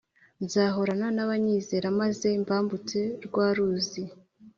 Nzahorana nabanyizera maze mbambutse rwa ruzi